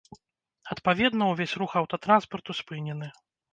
Адпаведна, увесь рух аўтатранспарту спынены.